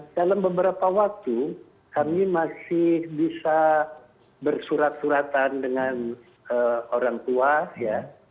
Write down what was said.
dalam beberapa waktu kami masih bisa bersurat suratan dengan orang tua ya